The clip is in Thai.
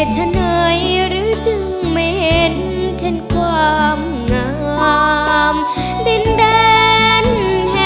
ของฟ้าเพื่อยล้างบอกเรา